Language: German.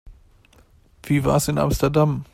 Wie war's in Amsterdam?